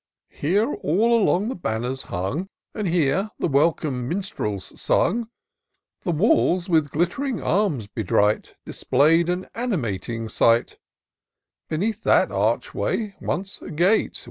Here all along the banners hung, And here the welcome minstrels sung ; The walls, with glitt'ring arms bedight, Display'd an animating sight : Beneath that archway, once a gate.